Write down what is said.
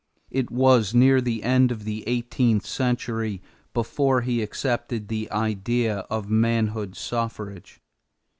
It was near the end of the eighteenth century before he accepted the idea of manhood suffrage.